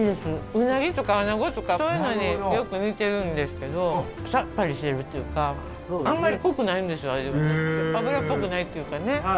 ウナギとかアナゴとかそういうのによく似てるんですけどさっぱりしてるというかあんまり濃くないんです味が脂っぽくないっていうかね。